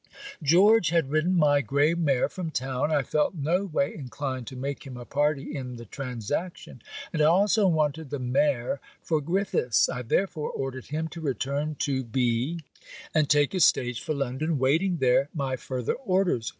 George had ridden my grey mare from town. I felt no way inclined to make him a party in the transaction; and I also wanted the mare for Griffiths. I therefore ordered him to return to B , and take a stage for London, waiting there my further orders.